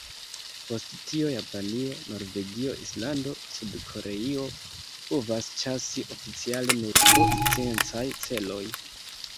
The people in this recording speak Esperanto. Post tio Japanio, Norvegio, Islando, Sud-Koreio povas ĉasi oficiale nur pro sciencaj celoj.